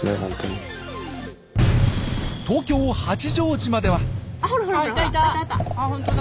東京八丈島では。